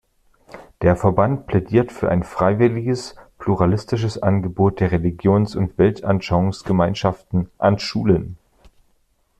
Der Verband plädiert für ein freiwilliges, pluralistisches Angebot der Religions- und Weltanschauungsgemeinschaften an Schulen.